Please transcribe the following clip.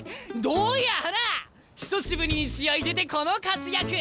久しぶりに試合出てこの活躍！